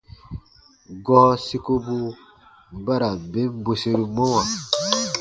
Gɔɔ sikobu ba ra n ben bweseru mɔwa.